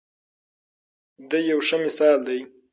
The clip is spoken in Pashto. دی یو ښه مثال دی.